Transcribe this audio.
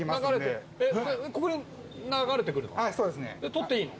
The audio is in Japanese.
取っていいの？